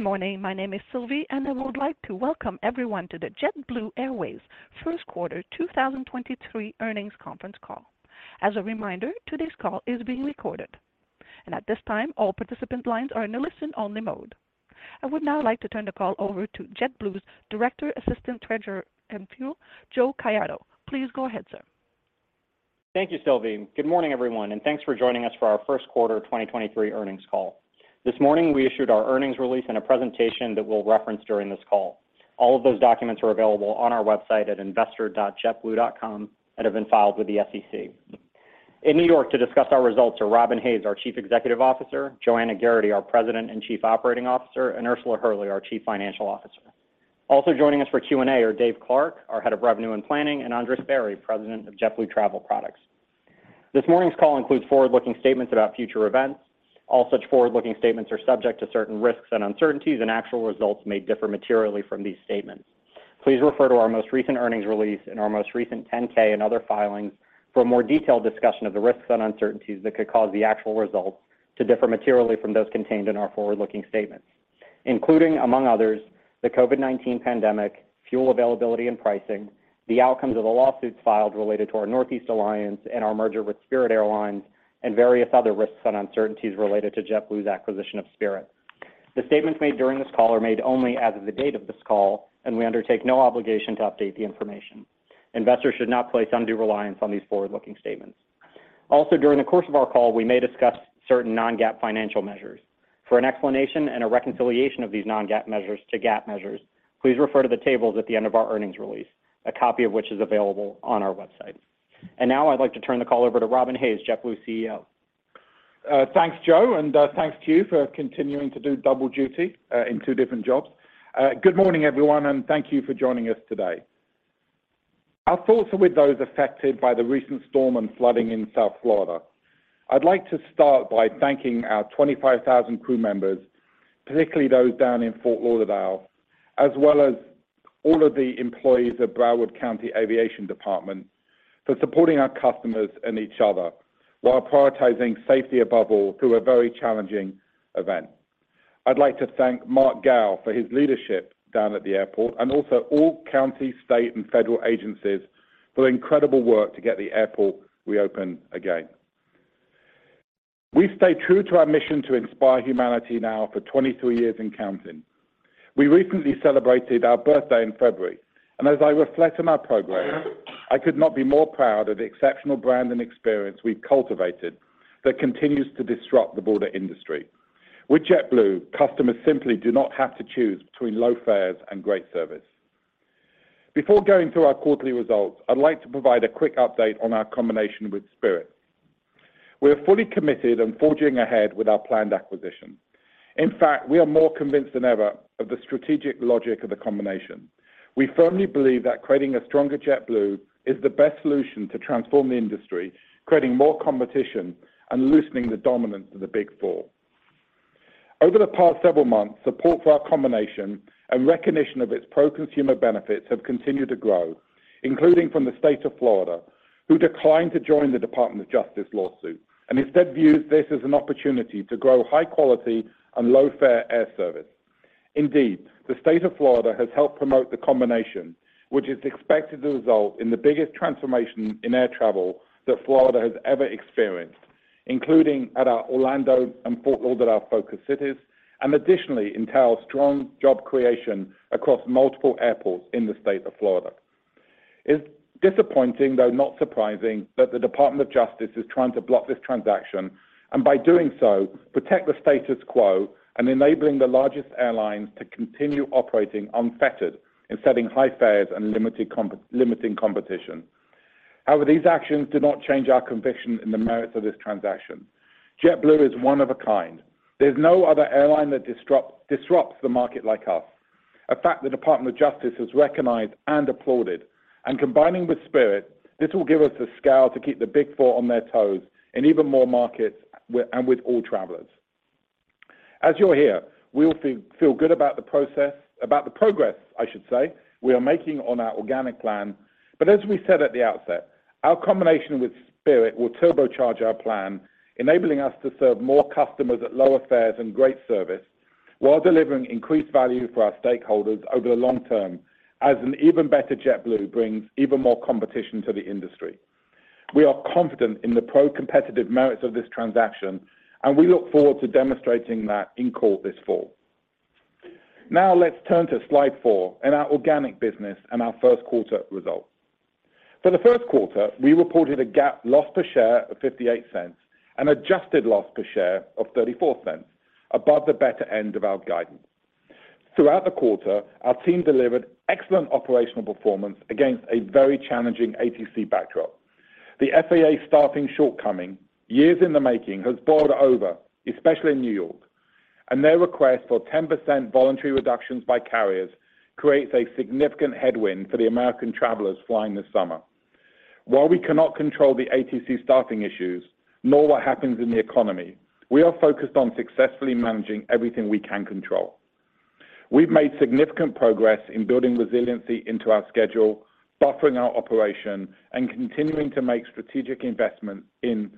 Good morning. My name is Sylvie, I would like to welcome everyone to the JetBlue Airways first quarter 2023 earnings conference call. As a reminder, today's call is being recorded. At this time, all participant lines are in a listen-only mode. I would now like to turn the call over to JetBlue's Director, Assistant Treasurer and COO, Joe Caiado. Please go ahead, sir. Thank you, Sylvie. Good morning, everyone, and thanks for joining us for our first quarter 2023 earnings call. This morning, we issued our earnings release and a presentation that we'll reference during this call. All of those documents are available on our website at investor.jetblue.com and have been filed with the SEC. In New York to discuss our results are Robin Hayes, our Chief Executive Officer, Joanna Geraghty, our President and Chief Operating Officer, and Ursula Hurley, our Chief Financial Officer. Also joining us for Q&A are Dave Clark, our Head of Revenue and Planning, and Andres Barry, President of JetBlue Travel Products. This morning's call includes forward-looking statements about future events. All such forward-looking statements are subject to certain risks and uncertainties, and actual results may differ materially from these statements. Please refer to our most recent earnings release and our most recent 10-K and other filings for a more detailed discussion of the risks and uncertainties that could cause the actual results to differ materially from those contained in our forward-looking statements, including, among others, the COVID-19 pandemic, fuel availability and pricing, the outcomes of the lawsuits filed related to our Northeast Alliance and our merger with Spirit Airlines, and various other risks and uncertainties related to JetBlue's acquisition of Spirit. The statements made during this call are made only as of the date of this call, and we undertake no obligation to update the information. Investors should not place undue reliance on these forward-looking statements. During the course of our call, we may discuss certain non-GAAP financial measures. For an explanation and a reconciliation of these non-GAAP measures to GAAP measures, please refer to the tables at the end of our earnings release, a copy of which is available on our website. Now I'd like to turn the call over to Robin Hayes, JetBlue's CEO. Thanks, Joe, thanks to you for continuing to do double duty in 2 different jobs. Good morning, everyone, thank you for joining us today. Our thoughts are with those affected by the recent storm and flooding in South Florida. I'd like to start by thanking our 25,000 crew members, particularly those down in Fort Lauderdale, as well as all of the employees of Broward County Aviation Department for supporting our customers and each other while prioritizing safety above all through a very challenging event. I'd like to thank Marc Gale for his leadership down at the airport and also all county, state, and federal agencies for their incredible work to get the airport reopened again. We stay true to our mission to inspire humanity now for 22 years and counting. We recently celebrated our birthday in February. As I reflect on our progress, I could not be more proud of the exceptional brand and experience we've cultivated that continues to disrupt the broader industry. With JetBlue, customers simply do not have to choose between low fares and great service. Before going through our quarterly results, I'd like to provide a quick update on our combination with Spirit. We are fully committed, forging ahead with our planned acquisition. In fact, we are more convinced than ever of the strategic logic of the combination. We firmly believe that creating a stronger JetBlue is the best solution to transform the industry, creating more competition and loosening the dominance of the Big Four. Over the past several months, support for our combination and recognition of its pro-consumer benefits have continued to grow, including from the state of Florida, who declined to join the Department of Justice lawsuit and instead views this as an opportunity to grow high-quality and low-fare air service. The state of Florida has helped promote the combination, which is expected to result in the biggest transformation in air travel that Florida has ever experienced, including at our Orlando and Fort Lauderdale focus cities, and additionally entails strong job creation across multiple airports in the state of Florida. It's disappointing, though not surprising, that the Department of Justice is trying to block this transaction, and by doing so, protect the status quo and enabling the largest airlines to continue operating unfettered in setting high fares and limiting competition. However, these actions do not change our conviction in the merits of this transaction. JetBlue is one of a kind. There's no other airline that disrupts the market like us, a fact the Department of Justice has recognized and applauded. Combining with Spirit, this will give us the scale to keep the Big Four on their toes in even more markets and with all travelers. As you'll hear, we all feel good about the progress, I should say, we are making on our organic plan. As we said at the outset, our combination with Spirit will turbocharge our plan, enabling us to serve more customers at lower fares and great service while delivering increased value for our stakeholders over the long term as an even better JetBlue brings even more competition to the industry. We are confident in the pro-competitive merits of this transaction, and we look forward to demonstrating that in court this fall. Let's turn to slide 4 and our organic business and our first quarter results. For the first quarter, we reported a GAAP loss per share of $0.58, an adjusted loss per share of $0.34, above the better end of our guidance. Throughout the quarter, our team delivered excellent operational performance against a very challenging ATC backdrop. The FAA staffing shortcoming, years in the making, has boiled over, especially in New York. Their request for 10% voluntary reductions by carriers creates a significant headwind for the American travelers flying this summer. While we cannot control the ATC staffing issues, nor what happens in the economy, we are focused on successfully managing everything we can control. We've made significant progress in building resiliency into our schedule, buffering our operation, and continuing to make strategic investments in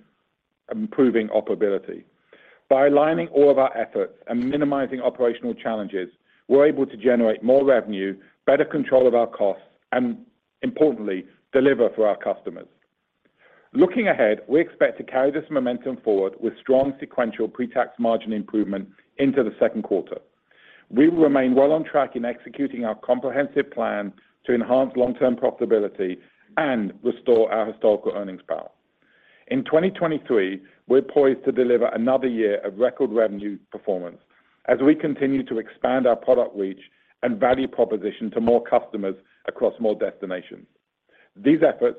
improving operability. By aligning all of our efforts and minimizing operational challenges, we're able to generate more revenue, better control of our costs, and importantly, deliver for our customers. Looking ahead, we expect to carry this momentum forward with strong sequential pre-tax margin improvement into the second quarter. We will remain well on track in executing our comprehensive plan to enhance long-term profitability and restore our historical earnings power. In 2023, we're poised to deliver another year of record revenue performance as we continue to expand our product reach and value proposition to more customers across more destinations. These efforts,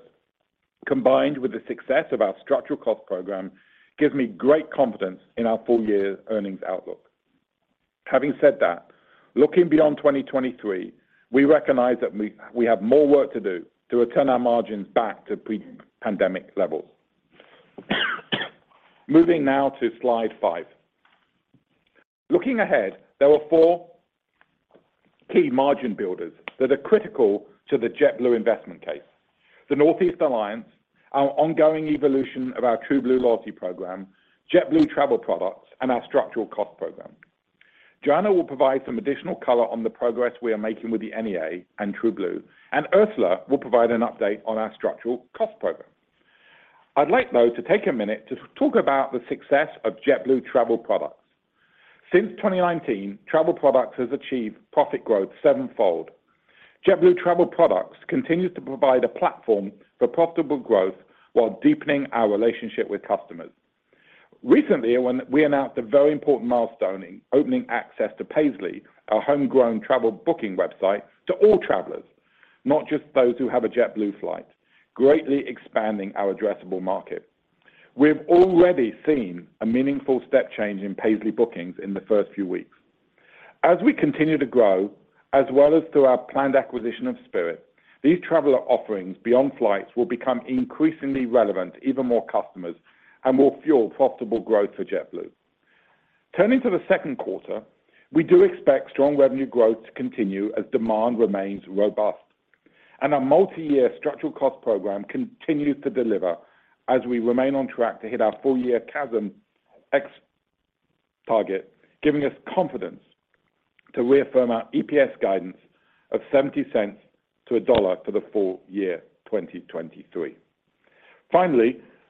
combined with the success of our structural cost program, gives me great confidence in our full-year earnings outlook. Having said that, looking beyond 2023, we recognize that we have more work to do to return our margins back to pre-pandemic levels. Moving now to slide 5. Looking ahead, there are 4 key margin builders that are critical to the JetBlue investment case. The Northeast Alliance, our ongoing evolution of our TrueBlue loyalty program, JetBlue Travel Products, and our structural cost program. Joanna will provide some additional color on the progress we are making with the NEA and TrueBlue, and Ursula will provide an update on our structural cost program. I'd like, though, to take a minute to talk about the success of JetBlue Travel Products. Since 2019, Travel Products has achieved profit growth 7x. JetBlue Travel Products continues to provide a platform for profitable growth while deepening our relationship with customers. Recently, when we announced a very important milestone in opening access to Paisly, our homegrown travel booking website, to all travelers, not just those who have a JetBlue flight, greatly expanding our addressable market. We've already seen a meaningful step change in Paisly bookings in the first few weeks. As we continue to grow, as well as through our planned acquisition of Spirit Airlines, these traveler offerings beyond flights will become increasingly relevant to even more customers and will fuel profitable growth for JetBlue Airways. Turning to the second quarter, we do expect strong revenue growth to continue as demand remains robust, and our multi-year structural cost program continues to deliver as we remain on track to hit our full-year CASM x target, giving us confidence to reaffirm our EPS guidance of $0.70-$1.00 for the full year 2023.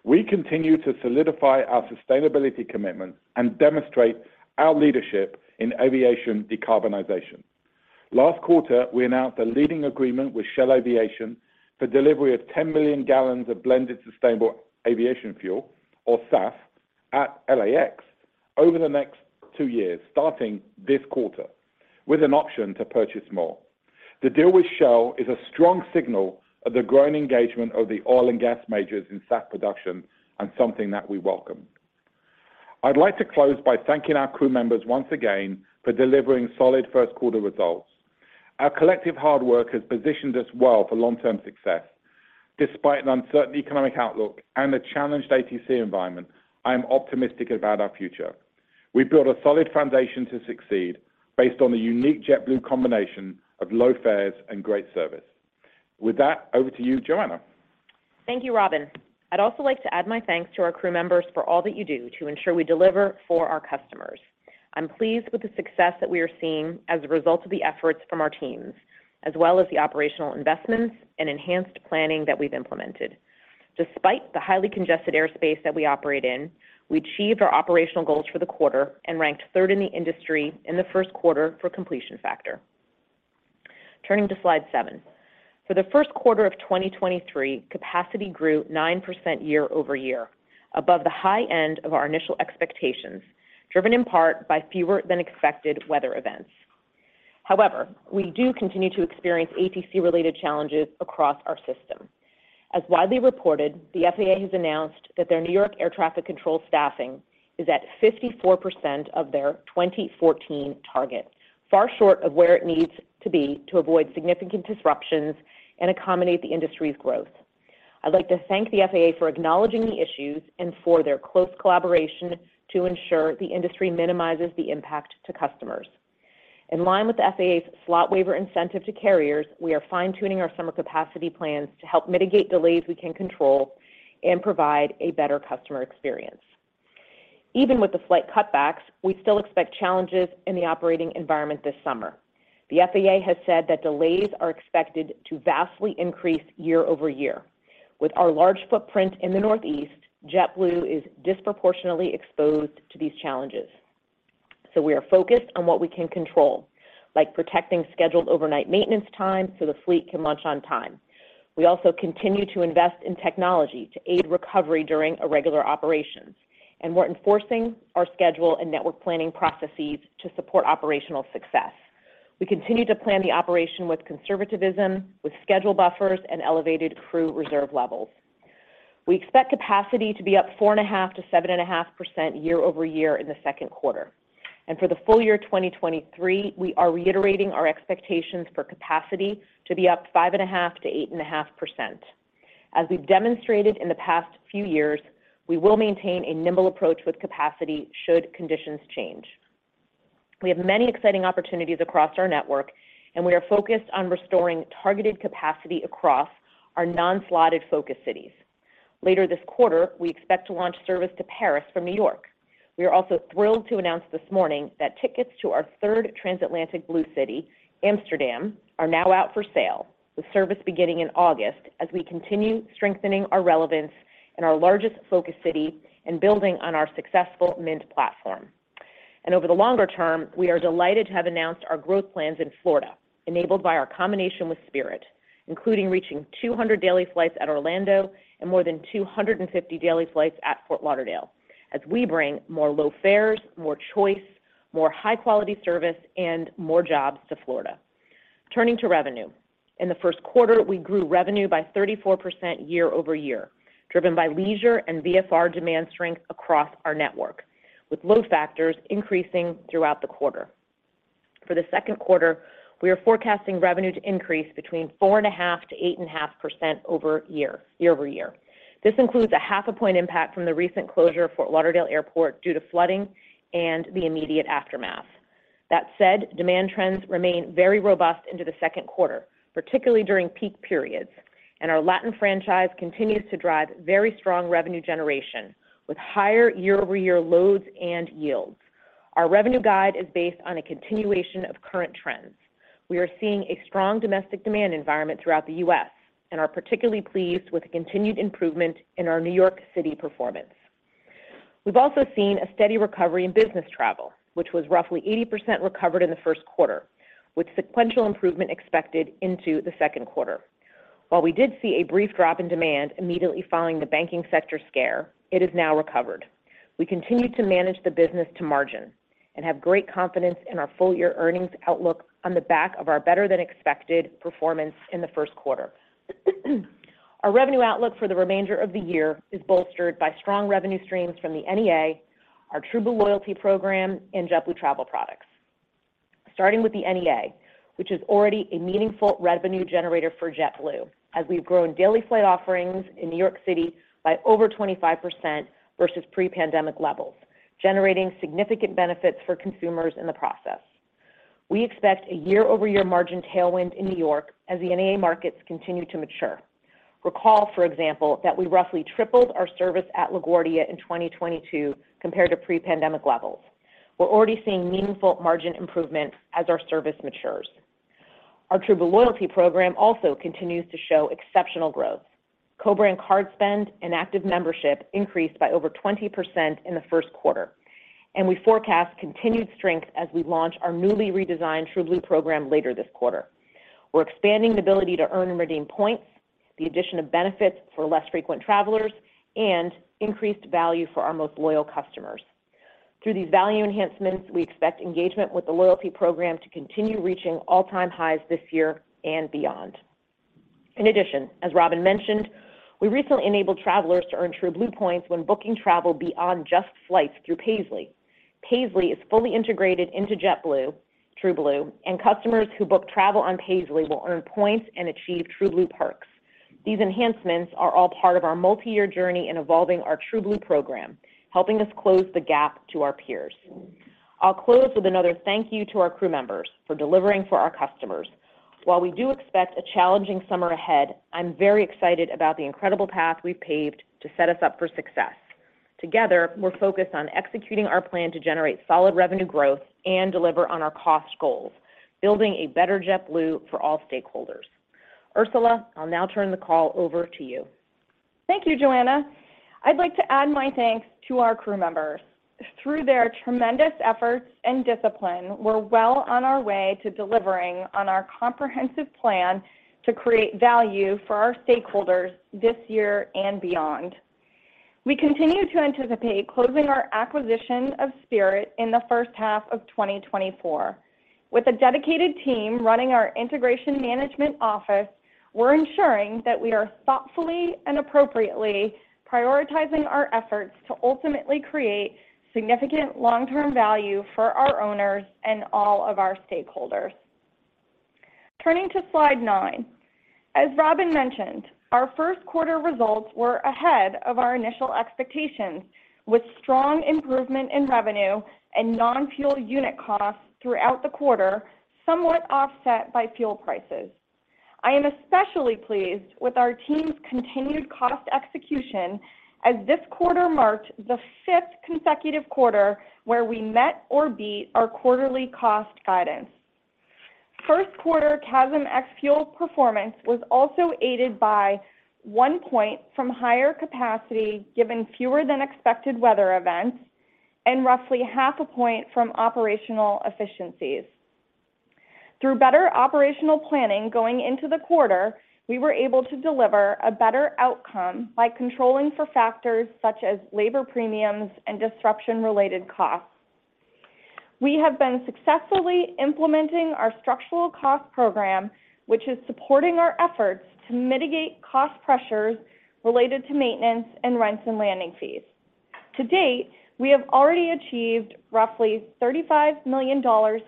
We continue to solidify our sustainability commitment and demonstrate our leadership in aviation decarbonization. Last quarter, we announced a leading agreement with Shell Aviation for delivery of 10 million gallons of blended sustainable aviation fuel, or SAF, at LAX over the next two years, starting this quarter, with an option to purchase more. The deal with Shell is a strong signal of the growing engagement of the oil and gas majors in SAF production and something that we welcome. I'd like to close by thanking our crew members once again for delivering solid first quarter results. Our collective hard work has positioned us well for long-term success. Despite an uncertain economic outlook and a challenged ATC environment, I am optimistic about our future. We've built a solid foundation to succeed based on the unique JetBlue combination of low fares and great service. Over to you, Joanna. Thank you, Robin. I'd also like to add my thanks to our crew members for all that you do to ensure we deliver for our customers. I'm pleased with the success that we are seeing as a result of the efforts from our teams, as well as the operational investments and enhanced planning that we've implemented. Despite the highly congested airspace that we operate in, we achieved our operational goals for the quarter and ranked third in the industry in the first quarter for completion factor. Turning to slide seven. For the first quarter of 2023, capacity grew 9% year-over-year, above the high end of our initial expectations, driven in part by fewer than expected weather events. We do continue to experience ATC-related challenges across our system. As widely reported, the FAA has announced that their New York air traffic control staffing is at 54% of their 2014 target, far short of where it needs to be to avoid significant disruptions and accommodate the industry's growth. I'd like to thank the FAA for acknowledging the issues and for their close collaboration to ensure the industry minimizes the impact to customers. In line with the FAA's slot waiver incentive to carriers, we are fine-tuning our summer capacity plans to help mitigate delays we can control and provide a better customer experience. Even with the flight cutbacks, we still expect challenges in the operating environment this summer. The FAA has said that delays are expected to vastly increase year-over-year. With our large footprint in the Northeast, JetBlue is disproportionately exposed to these challenges. We are focused on what we can control, like protecting scheduled overnight maintenance time so the fleet can launch on time. We also continue to invest in technology to aid recovery during irregular operations, and we're enforcing our schedule and network planning processes to support operational success. We continue to plan the operation with conservativism, with schedule buffers, and elevated crew reserve levels. We expect capacity to be up 4.5%-7.5% year-over-year in the second quarter. For the full year 2023, we are reiterating our expectations for capacity to be up 5.5%-8.5%. As we've demonstrated in the past few years, we will maintain a nimble approach with capacity should conditions change. We have many exciting opportunities across our network, and we are focused on restoring targeted capacity across our non-slotted focus cities. Later this quarter, we expect to launch service to Paris from New York. We are also thrilled to announce this morning that tickets to our third transatlantic BlueCity, Amsterdam, are now out for sale, with service beginning in August as we continue strengthening our relevance in our largest focus city and building on our successful Mint platform. Over the longer term, we are delighted to have announced our growth plans in Florida, enabled by our combination with Spirit, including reaching 200 daily flights at Orlando and more than 250 daily flights at Fort Lauderdale as we bring more low fares, more choice, more high-quality service, and more jobs to Florida. Turning to revenue. In the first quarter, we grew revenue by 34% year-over-year, driven by leisure and VFR demand strength across our network, with load factors increasing throughout the quarter. For the second quarter, we are forecasting revenue to increase between 4.5%-8.5% year-over-year. This includes a 0.5 point impact from the recent closure of Fort Lauderdale Airport due to flooding and the immediate aftermath. That said, demand trends remain very robust into the second quarter, particularly during peak periods. Our Latin franchise continues to drive very strong revenue generation with higher year-over-year loads and yields. Our revenue guide is based on a continuation of current trends. We are seeing a strong domestic demand environment throughout the U.S. and are particularly pleased with the continued improvement in our New York City performance. We've also seen a steady recovery in business travel, which was roughly 80% recovered in the first quarter, with sequential improvement expected into the second quarter. While we did see a brief drop in demand immediately following the banking sector scare, it has now recovered. We continue to manage the business to margin and have great confidence in our full year earnings outlook on the back of our better than expected performance in the first quarter. Our revenue outlook for the remainder of the year is bolstered by strong revenue streams from the NEA, our TrueBlue loyalty program, and JetBlue Travel Products. Starting with the NEA, which is already a meaningful revenue generator for JetBlue as we've grown daily flight offerings in New York City by over 25% versus pre-pandemic levels, generating significant benefits for consumers in the process. We expect a year-over-year margin tailwind in New York as the NEA markets continue to mature. Recall, for example, that we roughly tripled our service at LaGuardia in 2022 compared to pre-pandemic levels. We're already seeing meaningful margin improvements as our service matures. Our TrueBlue loyalty program also continues to show exceptional growth. Co-brand card spend and active membership increased by over 20% in the first quarter, and we forecast continued strength as we launch our newly redesigned TrueBlue program later this quarter. We're expanding the ability to earn and redeem points, the addition of benefits for less frequent travelers, and increased value for our most loyal customers. Through these value enhancements, we expect engagement with the loyalty program to continue reaching all-time highs this year and beyond. As Robin mentioned, we recently enabled travelers to earn TrueBlue points when booking travel beyond just flights through Paisley. Paisley is fully integrated into JetBlue TrueBlue. Customers who book travel on Paisley will earn points and achieve TrueBlue perks. These enhancements are all part of our multi-year journey in evolving our TrueBlue program, helping us close the gap to our peers. I'll close with another thank you to our crew members for delivering for our customers. While we do expect a challenging summer ahead, I'm very excited about the incredible path we've paved to set us up for success. Together, we're focused on executing our plan to generate solid revenue growth and deliver on our cost goals, building a better JetBlue for all stakeholders. Ursula, I'll now turn the call over to you. Thank you, Joanna. I'd like to add my thanks to our crew members. Through their tremendous efforts and discipline, we're well on our way to delivering on our comprehensive plan to create value for our stakeholders this year and beyond. We continue to anticipate closing our acquisition of Spirit in the first half of 2024. With a dedicated team running our integration management office, we're ensuring that we are thoughtfully and appropriately prioritizing our efforts to ultimately create significant long-term value for our owners and all of our stakeholders. Turning to slide 9, as Robin mentioned, our first quarter results were ahead of our initial expectations, with strong improvement in revenue and non-fuel unit costs throughout the quarter somewhat offset by fuel prices. I am especially pleased with our team's continued cost execution as this quarter marked the 5th consecutive quarter where we met or beat our quarterly cost guidance. 1st quarter CASM ex-fuel performance was also aided by 1 point from higher capacity given fewer than expected weather events and roughly half a point from operational efficiencies. Through better operational planning going into the quarter, we were able to deliver a better outcome by controlling for factors such as labor premiums and disruption-related costs. We have been successfully implementing our structural cost program, which is supporting our efforts to mitigate cost pressures related to maintenance and rents and landing fees. To date, we have already achieved roughly $35 million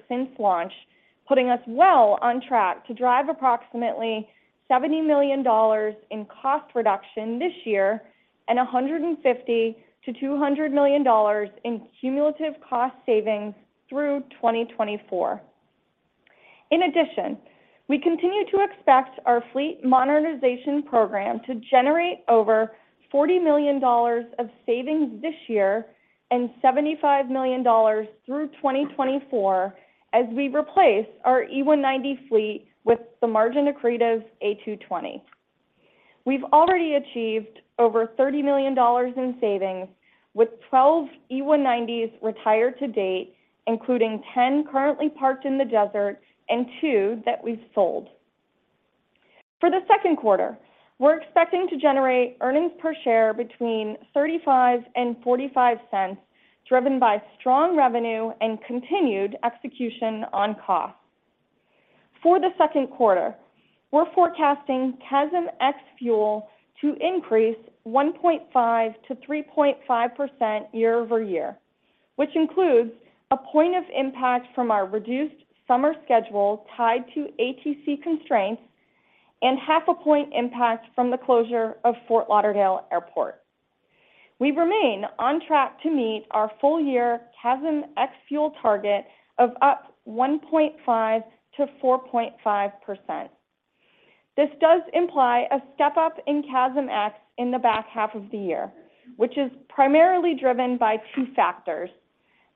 since launch. Putting us well on track to drive approximately $70 million in cost reduction this year and $150 million-$200 million in cumulative cost savings through 2024. In addition, we continue to expect our fleet modernization program to generate over $40 million of savings this year and $75 million through 2024 as we replace our E190 fleet with the margin-accretive A220. We've already achieved over $30 million in savings with 12 E190s retired to date, including 10 currently parked in the desert and two that we've sold. For the second quarter, we're expecting to generate EPS between $0.35 and $0.45, driven by strong revenue and continued execution on costs. For the second quarter, we're forecasting CASM ex-fuel to increase 1.5% to 3.5% year-over-year, which includes a point of impact from our reduced summer schedule tied to ATC constraints and half a point impact from the closure of Fort Lauderdale Airport. We remain on track to meet our full-year CASM ex-fuel target of up 1.5% to 4.5%. This does imply a step-up in CASM ex in the back half of the year, which is primarily driven by two factors: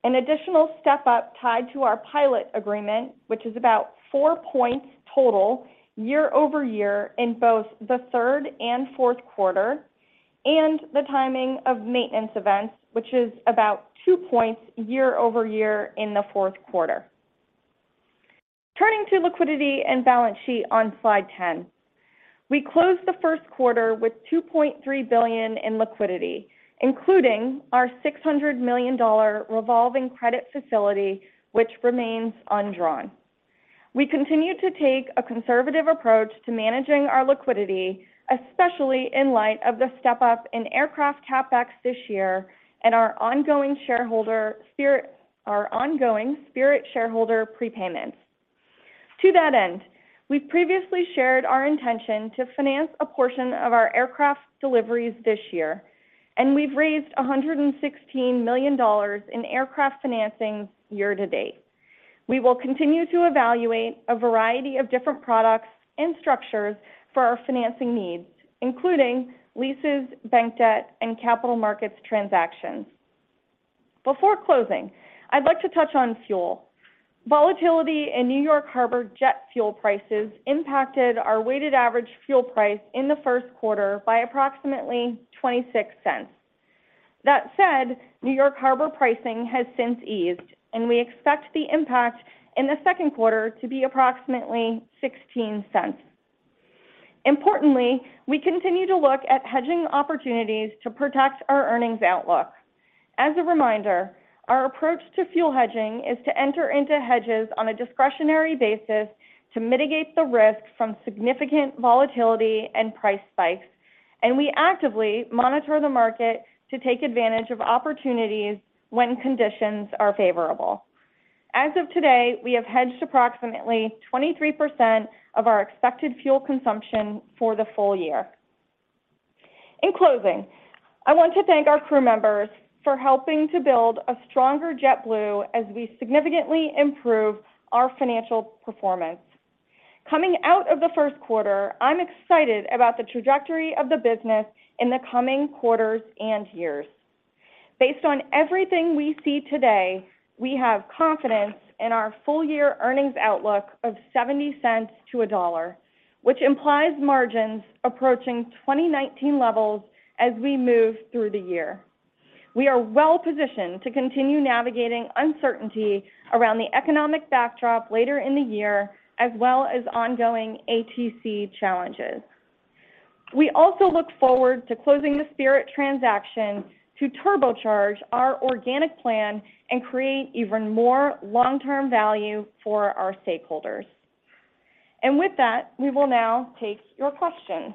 an additional step-up tied to our pilot agreement, which is about four points total year-over-year in both the third and fourth quarter, and the timing of maintenance events, which is about two points year-over-year in the fourth quarter. Turning to liquidity and balance sheet on Slide 10. We closed the first quarter with $2.3 billion in liquidity, including our $600 million revolving credit facility, which remains undrawn. We continue to take a conservative approach to managing our liquidity, especially in light of the step-up in aircraft CapEx this year and our ongoing Spirit shareholder prepayments. To that end, we've previously shared our intention to finance a portion of our aircraft deliveries this year, and we've raised $116 million in aircraft financing year to date. We will continue to evaluate a variety of different products and structures for our financing needs, including leases, bank debt, and capital markets transactions. Before closing, I'd like to touch on fuel. Volatility in New York Harbor jet fuel prices impacted our weighted average fuel price in the first quarter by approximately $0.26. That said, New York Harbor pricing has since eased, and we expect the impact in the second quarter to be approximately $0.16. Importantly, we continue to look at hedging opportunities to protect our earnings outlook. As a reminder, our approach to fuel hedging is to enter into hedges on a discretionary basis to mitigate the risk from significant volatility and price spikes, and we actively monitor the market to take advantage of opportunities when conditions are favorable. As of today, we have hedged approximately 23% of our expected fuel consumption for the full year. In closing, I want to thank our crew members for helping to build a stronger JetBlue as we significantly improve our financial performance. Coming out of the first quarter, I'm excited about the trajectory of the business in the coming quarters and years. Based on everything we see today, we have confidence in our full-year earnings outlook of $0.70-$1.00, which implies margins approaching 2019 levels as we move through the year. We are well positioned to continue navigating uncertainty around the economic backdrop later in the year, as well as ongoing ATC challenges. We also look forward to closing the Spirit transaction to turbocharge our organic plan and create even more long-term value for our stakeholders. With that, we will now take your questions.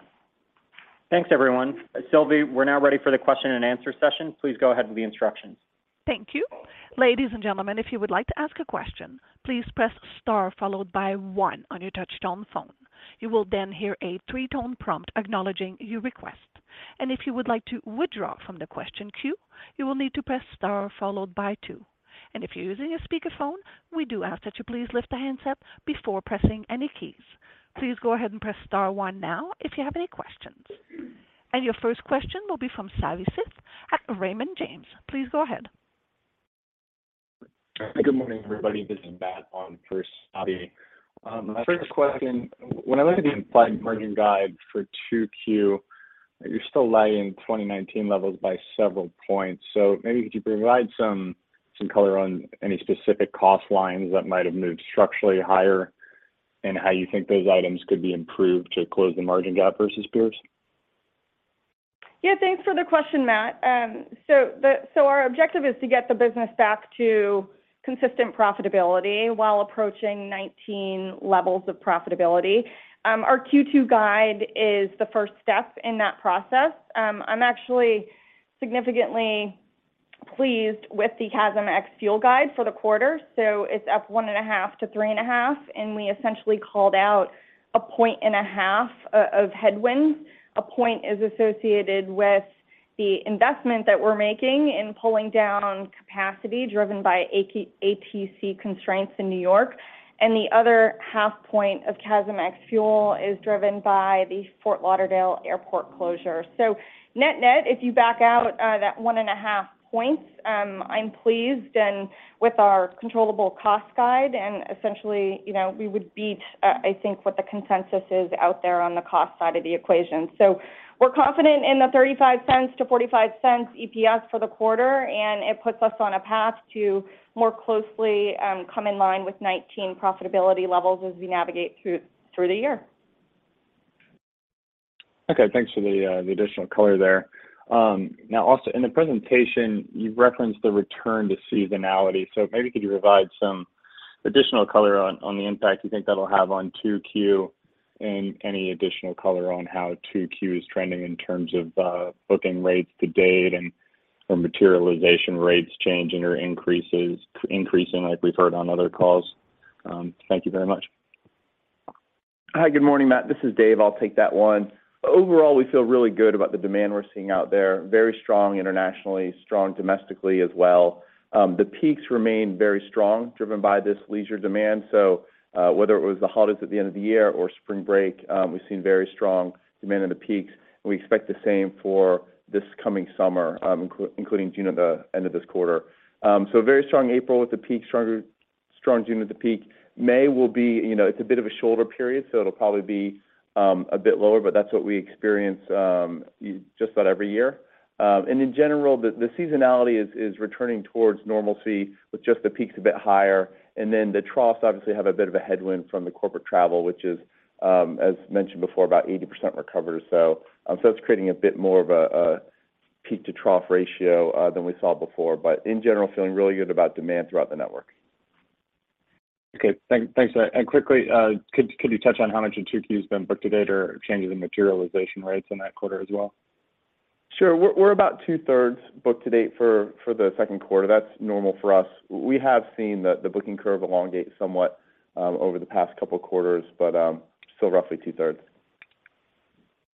Thanks, everyone. Sylvie, we're now ready for the question and answer session. Please go ahead with the instructions. Thank you. Ladies and gentlemen, if you would like to ask a question, please press star followed by one on your touchtone phone. You will then hear a three tone prompt acknowledging your request. If you would like to withdraw from the question queue, you will need to press star followed by two. If you're using a speakerphone, we do ask that you please lift the handset before pressing any keys. Please go ahead and press star one now if you have any questions. Your first question will be from Savanthi Syth at Raymond James. Please go ahead. Good morning, everybody. This is Matthew Wong for Savi. My first question, when I look at the implied margin guide for 2Q, you're still lagging 2019 levels by several points. Maybe could you provide some color on any specific cost lines that might have moved structurally higher and how you think those items could be improved to close the margin gap versus peers? Yeah, thanks for the question, Matt. Our objective is to get the business back to consistent profitability while approaching 19 levels of profitability. Our Q2 guide is the first step in that process. I'm actually significantly Pleased with the CASM ex-fuel guide for the quarter. It's up 1.5%-3.5%, and we essentially called out 1.5 points of headwind. 1 point is associated with the investment that we're making in pulling down capacity driven by ATC constraints in New York, and the other 0.5 points of CASM ex-fuel is driven by the Fort Lauderdale Airport closure. Net-net, if you back out that 1.5 points, I'm pleased and with our controllable cost guide and essentially, you know, we would beat I think what the consensus is out there on the cost side of the equation. We're confident in the $0.35-$0.45 EPS for the quarter, and it puts us on a path to more closely come in line with 2019 profitability levels as we navigate through the year. Okay. Thanks for the additional color there. Also in the presentation, you've referenced the return to seasonality. Maybe could you provide some additional color on the impact you think that'll have on 2Q and any additional color on how 2Q is trending in terms of booking rates to date and, or materialization rates changing or increasing, like we've heard on other calls? Thank you very much. Hi. Good morning, Matt. This is Dave. I'll take that one. Overall, we feel really good about the demand we're seeing out there. Very strong internationally, strong domestically as well. The peaks remain very strong, driven by this leisure demand. Whether it was the holidays at the end of the year or spring break, we've seen very strong demand in the peaks, and we expect the same for this coming summer, including June at the end of this quarter. Very strong April with the peak, strong June with the peak. May will be, you know, it's a bit of a shorter period, so it'll probably be a bit lower, but that's what we experience just about every year. And in general, the seasonality is returning towards normalcy with just the peaks a bit higher. The troughs obviously have a bit of a headwind from the corporate travel, which is, as mentioned before, about 80% recovered or so. It's creating a bit more of a peak-to-trough ratio than we saw before, but in general, feeling really good about demand throughout the network. Okay. Thanks for that. Quickly, could you touch on how much of 2Q has been booked to date or changes in materialization rates in that quarter as well? Sure. We're about two-thirds booked to date for the second quarter. That's normal for us. We have seen the booking curve elongate somewhat over the past couple quarters, but still roughly two-thirds.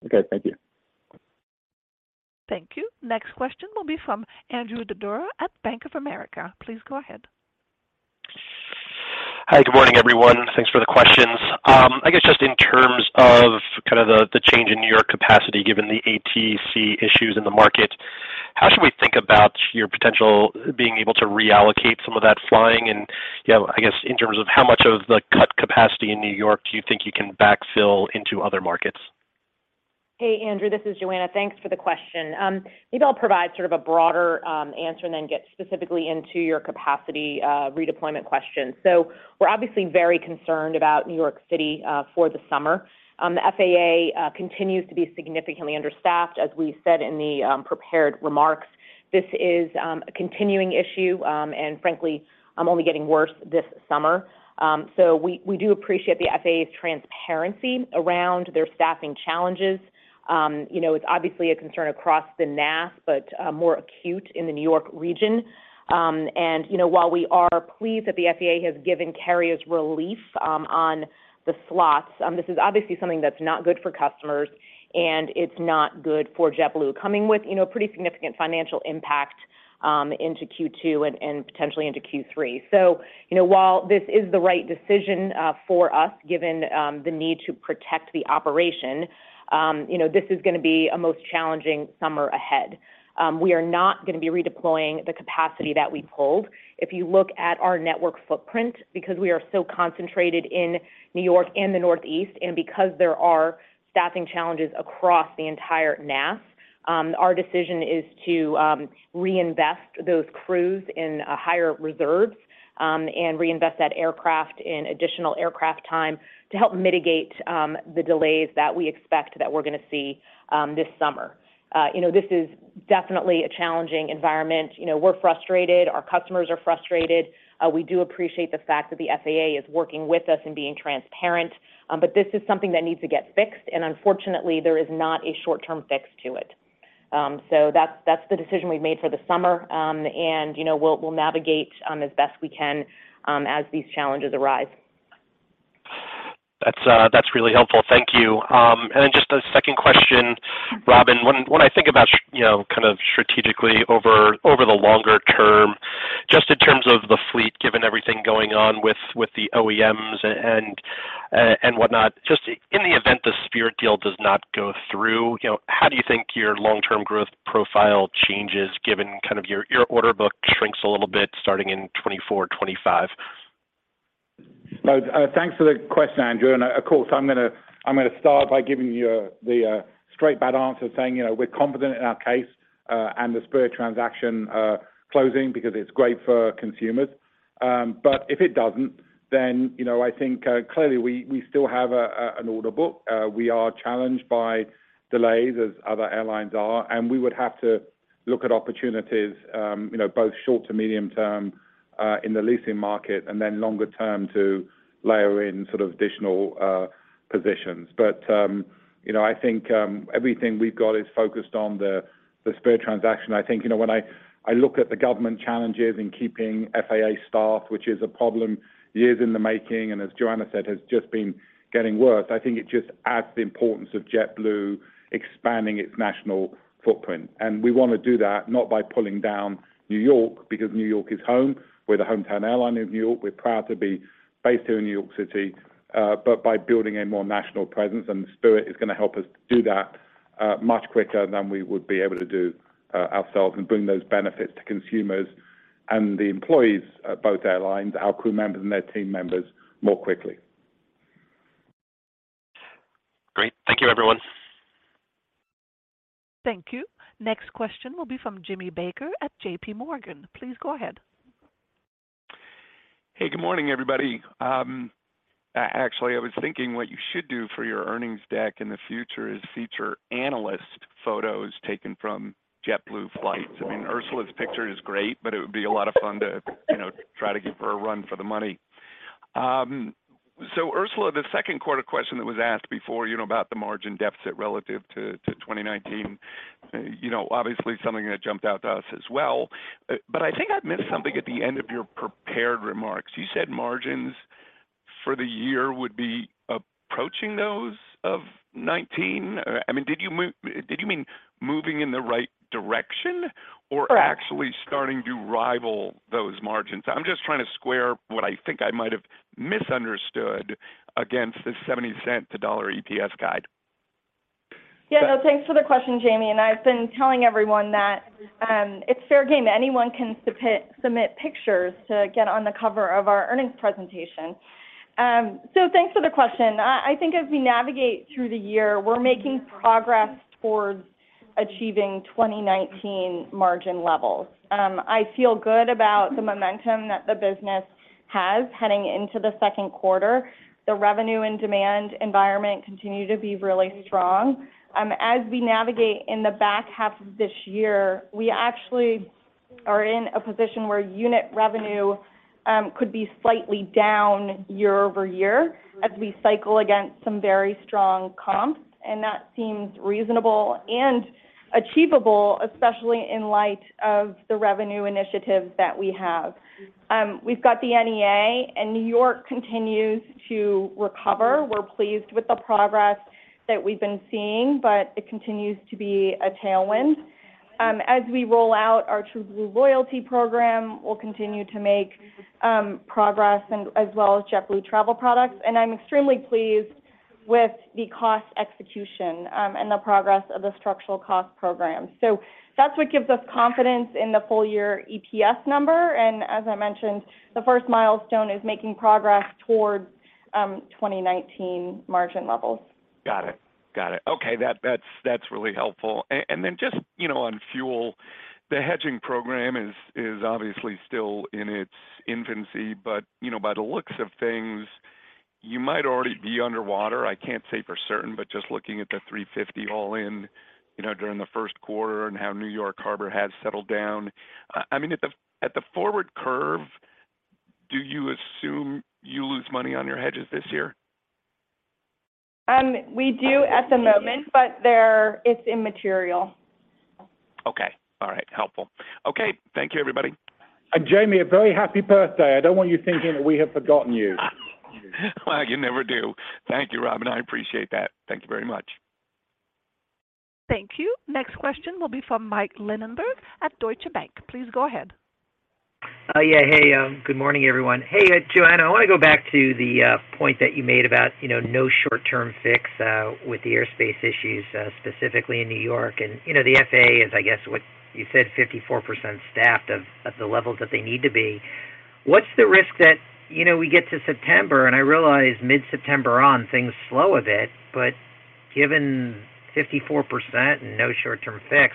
Okay. Thank you. Thank you. Next question will be from Andrew Didora at Bank of America. Please go ahead. Hi. Good morning, everyone. Thanks for the questions. I guess just in terms of kind of the change in New York capacity, given the ATC issues in the market, how should we think about your potential being able to reallocate some of that flying? You know, I guess in terms of how much of the cut capacity in New York do you think you can backfill into other markets? Hey, Andrew. This is Joanna. Thanks for the question. Maybe I'll provide sort of a broader answer and then get specifically into your capacity redeployment question. We're obviously very concerned about New York City for the summer. The FAA continues to be significantly understaffed, as we said in the prepared remarks. This is a continuing issue and frankly only getting worse this summer. We do appreciate the FAA's transparency around their staffing challenges. You know, it's obviously a concern across the NAS, but more acute in the New York region. You know, while we are pleased that the FAA has given carriers relief on the slots, this is obviously something that's not good for customers, and it's not good for JetBlue, coming with, you know, pretty significant financial impact into Q2 and potentially into Q3. You know, while this is the right decision for us, given the need to protect the operation, you know, this is gonna be a most challenging summer ahead. We are not gonna be redeploying the capacity that we pulled. If you look at our network footprint, because we are so concentrated in New York and the Northeast, and because there are staffing challenges across the entire NAS, our decision is to reinvest those crews in higher reserves, and reinvest that aircraft in additional aircraft time to help mitigate the delays that we expect that we're gonna see this summer. You know, this is definitely a challenging environment. You know, we're frustrated. Our customers are frustrated. We do appreciate the fact that the FAA is working with us and being transparent, but this is something that needs to get fixed, and unfortunately, there is not a short-term fix to it. That's, that's the decision we've made for the summer, and, you know, we'll navigate as best we can as these challenges arise. That's really helpful. Thank you. Just a second question, Robin. When I think about, you know, kind of strategically over the longer term, just in terms of the fleet, given everything going on with the OEMs and whatnot, just in the event the Spirit deal does not go through, you know, how do you think your long-term growth profile changes given kind of your order book shrinks a little bit starting in 2024, 2025? Thanks for the question, Andrew, and of course, I'm gonna start by giving you the straight bad answer saying, you know, we're confident in our case and the Spirit transaction closing because it's great for consumers. If it doesn't, then, you know, I think, clearly we still have an order book. We are challenged by delays as other airlines are, and we would have to look at opportunities, you know, both short to medium term, in the leasing market and then longer term to layer in sort of additional positions. You know, I think, everything we've got is focused on the Spirit Airlines transaction. I think, you know, when I look at the government challenges in keeping FAA staff, which is a problem years in the making, and as Joanna Geraghty said, has just been getting worse, I think it just adds to the importance of JetBlue Airways expanding its national footprint. We want to do that not by pulling down New York, because New York is home. We're the hometown airline of New York. We're proud to be based here in New York City. By building a more national presence, Spirit is going to help us do that much quicker than we would be able to do ourselves and bring those benefits to consumers and the employees at both airlines, our crew members and their team members more quickly. Great. Thank you, everyone. Thank you. Next question will be from Jamie Baker at J.P. Morgan. Please go ahead. Hey, good morning, everybody. actually, I was thinking what you should do for your earnings deck in the future is feature analyst photos taken from JetBlue flights. I mean, Ursula's picture is great, but it would be a lot of fun to, you know, try to give her a run for the money. Ursula, the second quarter question that was asked before, you know, about the margin deficit relative to 2019, you know, obviously something that jumped out to us as well, I think I missed something at the end of your prepared remarks. You said margins for the year would be approaching those of 2019. I mean, Did you mean moving in the right direction or actually starting to rival those margins? I'm just trying to square what I think I might have misunderstood against the $0.70-$1.00 EPS guide. Yeah. No, thanks for the question, Jamie. I've been telling everyone that it's fair game. Anyone can submit pictures to get on the cover of our earnings presentation. Thanks for the question. I think as we navigate through the year, we're making progress towards achieving 2019 margin levels. I feel good about the momentum that the business has heading into the 2Q. The revenue and demand environment continue to be really strong. As we navigate in the back half of this year, we actually are in a position where unit revenue could be slightly down year-over-year as we cycle against some very strong comps, and that seems reasonable and achievable, especially in light of the revenue initiatives that we have. We've got the NEA, and New York continues to recover. We're pleased with the progress that we've been seeing, but it continues to be a tailwind. As we roll out our TrueBlue loyalty program, we'll continue to make progress and as well as JetBlue Travel Products. I'm extremely pleased with the cost execution and the progress of the structural cost program. That's what gives us confidence in the full year EPS number. As I mentioned, the first milestone is making progress towards 2019 margin levels. Got it. Got it. Okay, that's really helpful. Then just, you know, on fuel, the hedging program is obviously still in its infancy, but, you know, by the looks of things, you might already be underwater. I can't say for certain, but just looking at the 350 all in, you know, during the first quarter and how New York Harbor has settled down, I mean, at the forward curve, do you assume you lose money on your hedges this year? We do at the moment, but it's immaterial. Okay. All right. Helpful. Okay. Thank you, everybody. Jamie, a very happy birthday. I don't want you thinking that we have forgotten you. Well, you never do. Thank you, Rob, and I appreciate that. Thank you very much. Thank you. Next question will be from Mike Linenberg at Deutsche Bank. Please go ahead. Yeah. Hey, good morning, everyone. Hey, Joanna, I want to go back to the point that you made about, you know, no short-term fix with the airspace issues specifically in New York. You know, the FAA is, I guess, what you said, 54% staffed of the levels that they need to be. What's the risk that, you know, we get to September, and I realize mid-September on, things slow a bit, but given 54% and no short-term fix,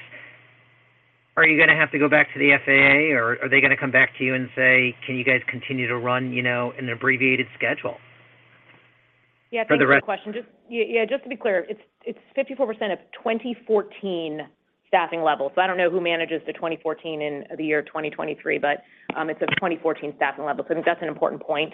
are you gonna have to go back to the FAA, or are they gonna come back to you and say, "Can you guys continue to run, you know, an abbreviated schedule? Yeah. Thanks for the question. Yeah, just to be clear, it's 54% of 2014 staffing levels. I don't know who manages the 2014 in the year 2023, but it's a 2014 staffing level. I think that's an important point.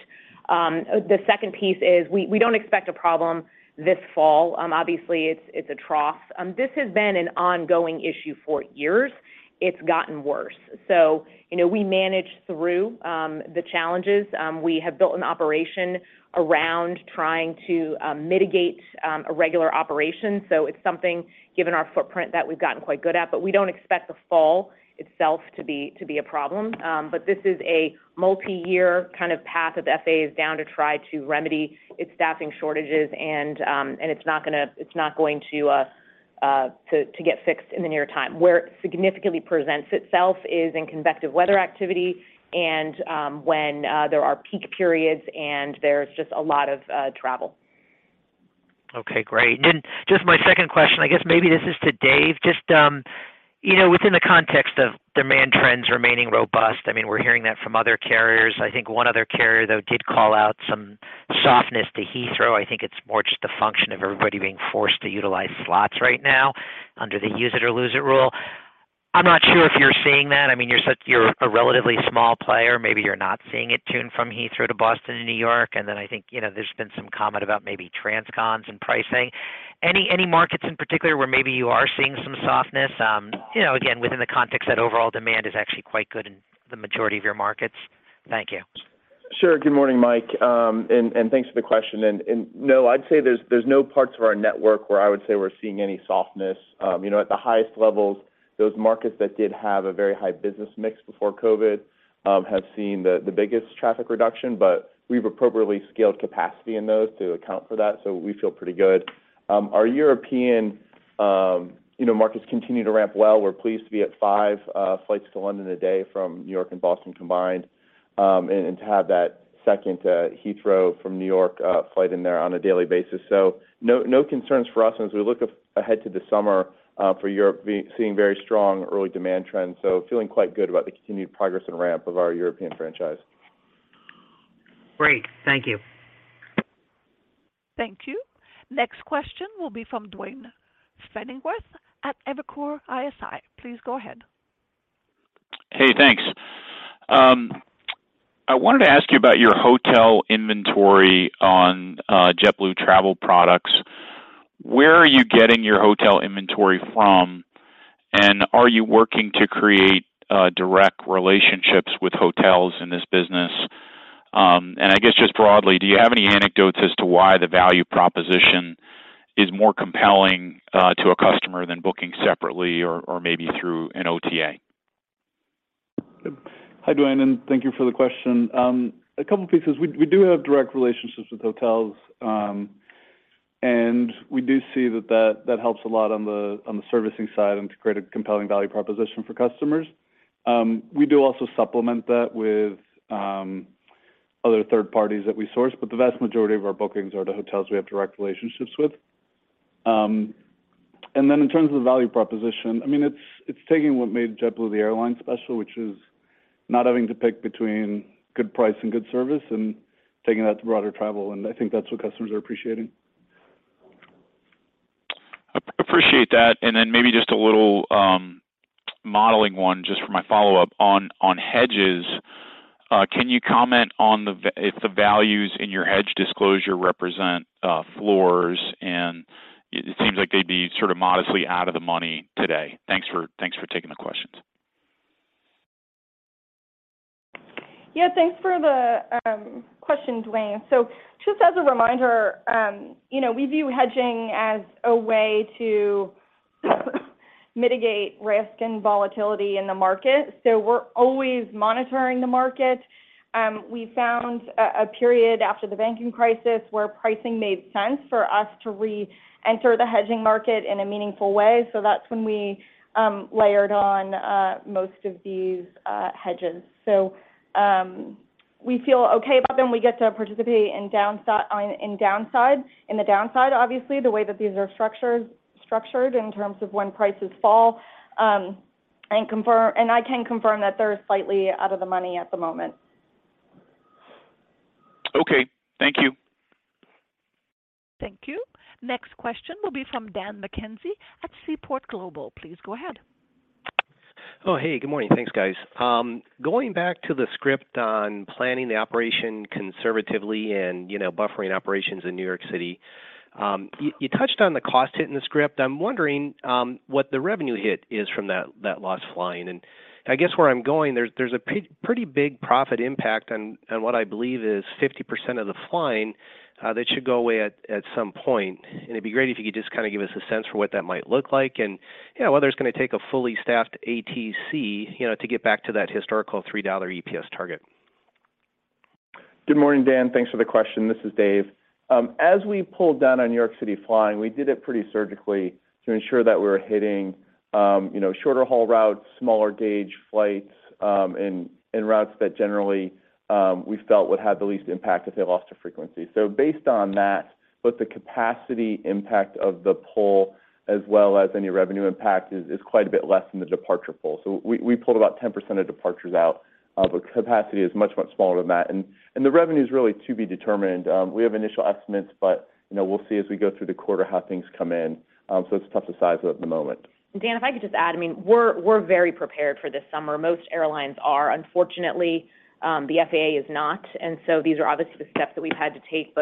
The second piece is we don't expect a problem this fall. Obviously it's a trough. This has been an ongoing issue for years. It's gotten worse. you know, we manage through the challenges. We have built an operation around trying to mitigate irregular operations. It's something, given our footprint, that we've gotten quite good at, but we don't expect the fall itself to be a problem. This is a multi-year kind of path of FAA's down to try to remedy its staffing shortages, and it's not going to get fixed in the near time. Where it significantly presents itself is in convective weather activity and when there are peak periods, and there's just a lot of travel. Okay, great. Then just my second question, I guess maybe this is to Dave, just, you know, within the context of demand trends remaining robust, I mean, we're hearing that from other carriers. I think one other carrier, though, did call out some softness to Heathrow. I think it's more just a function of everybody being forced to utilize slots right now under the use it or lose it rule. I'm not sure if you're seeing that. I mean, you're a relatively small player. Maybe you're not seeing it tuned from Heathrow to Boston and New York, and then I think, you know, there's been some comment about maybe transcons and pricing. Any markets in particular where maybe you are seeing some softness, you know, again, within the context that overall demand is actually quite good in the majority of your markets? Thank you. Sure. Good morning, Mike, and thanks for the question. No, I'd say there's no parts of our network where I would say we're seeing any softness. You know, at the highest levels, those markets that did have a very high business mix before COVID, have seen the biggest traffic reduction, we've appropriately scaled capacity in those to account for that, we feel pretty good. Our European, you know, markets continue to ramp well. We're pleased to be at 5 flights to London a day from New York and Boston combined, to have that second to Heathrow from New York flight in there on a daily basis. No concerns for us. As we look ahead to the summer, for Europe, we're seeing very strong early demand trends, so feeling quite good about the continued progress and ramp of our European franchise. Great. Thank you. Thank you. Next question will be from Duane Pfennigwerth at Evercore ISI. Please go ahead. Hey, thanks. I wanted to ask you about your hotel inventory on JetBlue Travel Products. Where are you getting your hotel inventory from, are you working to create direct relationships with hotels in this business? I guess just broadly, do you have any anecdotes as to why the value proposition is more compelling to a customer than booking separately or maybe through an OTA? Hi, Duane, and thank you for the question. A couple pieces. We, we do have direct relationships with hotels, and we do see that helps a lot on the, on the servicing side and to create a compelling value proposition for customers. We do also supplement that with other third parties that we source, but the vast majority of our bookings are the hotels we have direct relationships with. In terms of the value proposition, I mean, it's taking what made JetBlue the airline special, which is not having to pick between good price and good service and taking that to broader travel, and I think that's what customers are appreciating. Appreciate that. Maybe just a little modeling one just for my follow-up. On hedges, can you comment on the values in your hedge disclosure represent floors, and it seems like they'd be sort of modestly out of the money today. Thanks for taking the questions. Yeah, thanks for the question, Duane. Just as a reminder, you know, we view hedging as a way to mitigate risk and volatility in the market. We found a period after the banking crisis where pricing made sense for us to reenter the hedging market in a meaningful way. That's when we layered on most of these hedges. We feel okay about them. We get to participate in the downside, obviously, the way that these are structured in terms of when prices fall. And I can confirm that they're slightly out of the money at the moment. Okay. Thank you. Thank you. Next question will be from Dan McKenzie at Seaport Global. Please go ahead. Hey, good morning. Thanks, guys. Going back to the script on planning the operation conservatively and, you know, buffering operations in New York City, you touched on the cost hit in the script. I'm wondering what the revenue hit is from that lost flying. I guess where I'm going, there's a pretty big profit impact on what I believe is 50% of the flying that should go away at some point. It'd be great if you could just kind of give us a sense for what that might look like and, you know, whether it's gonna take a fully staffed ATC, you know, to get back to that historical $3 EPS target. Good morning, Dan. Thanks for the question. This is Dave. As we pulled down on New York City flying, we did it pretty surgically to ensure that we were hitting, you know, shorter haul routes, smaller gauge flights, and routes that generally we felt would have the least impact if they lost a frequency. Based on that, both the capacity impact of the pull as well as any revenue impact is quite a bit less than the departure pull. We pulled about 10% of departures out, but capacity is much, much smaller than that. And the revenue is really to be determined. We have initial estimates, but, you know, we'll see as we go through the quarter how things come in. It's tough to size up at the moment. Dan, if I could just add, I mean, we're very prepared for this summer. Most airlines are. Unfortunately, the FAA is not. These are obviously the steps that we've had to take.